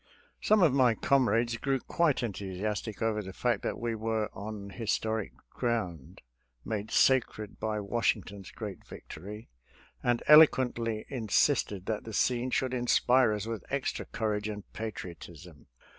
Some of my comrades grew quite enthusiastic over the fact that we were on historic ground, made sacred by Washington's great victory, and eloquently insisted that the scene should inspire us with extra courage and patriotism.